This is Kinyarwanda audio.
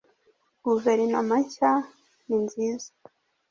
Guverinoma nshya ninziza